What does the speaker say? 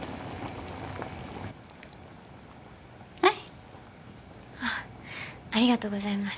はいあっありがとうございます